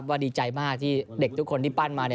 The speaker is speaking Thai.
ดีใจมากที่เด็กทุกคนที่ปั้นมา